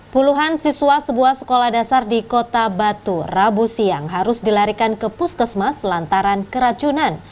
puluhan siswa sebuah sekolah dasar di kota batu rabu siang harus dilarikan ke puskesmas lantaran keracunan